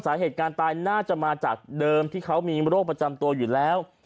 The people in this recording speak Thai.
สาเหตุการณ์ตายน่าจะมาจากเดิมที่เขามีโรคประจำตัวอยู่แล้ว